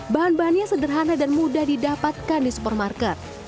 bahan bahannya sederhana dan mudah didapatkan di supermarket